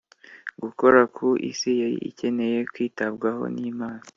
gukora ku isi yari ikeneye kwitabwaho n'imana.